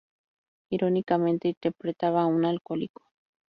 Irónicamente, interpretaba a un alcohólico.